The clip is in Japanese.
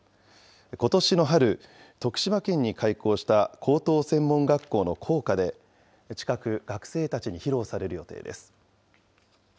ことしの春、徳島県に開校した高等専門学校の校歌で、近く、学生たちに披露される予定です。